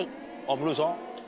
室井さん？